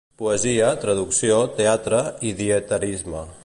Poesia, traducció, teatre i dietarisme.